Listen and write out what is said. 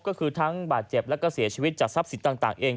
ก็คือทั้งบาดเจ็บและเศรษฐษีวิตจากทรัพย์ศิลป์ต่าง